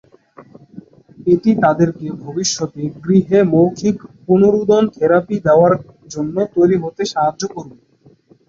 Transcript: এটি তাদেরকে ভবিষ্যতে গৃহে মৌখিক পুনরুদন থেরাপি দেয়ার জন্য তৈরি হতে সাহায্য করবে।